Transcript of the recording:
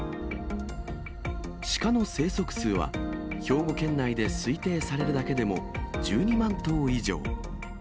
シカの生息数は、兵庫県内で推定されるだけでも１２万頭以上。